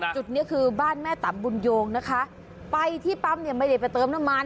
จุดนี้คือบ้านแม่ต่ำบุญโยงนะคะไปที่ปั๊มเนี่ยไม่ได้ไปเติมน้ำมัน